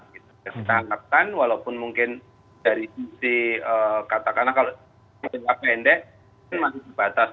kita anggapkan walaupun mungkin dari sisi katakanlah kalau pendek pendek masih dibatas